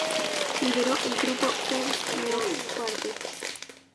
Lideró el grupo "First Moog Quartet".